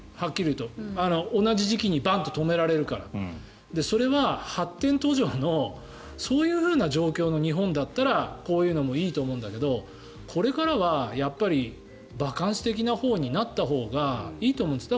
同じ時期にバンと止められるからそれは発展途上のそういうふうな状況の日本だったらこういうのもいいと思うんだけどこれからはやっぱりバカンス的なほうになったほうがいいと思うんです。